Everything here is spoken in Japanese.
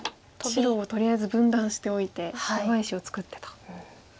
白をとりあえず分断しておいて弱い石を作ってと。